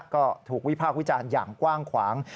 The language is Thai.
ก็ถูกวิพากษ์วิจารณ์อย่างกว้างขวาง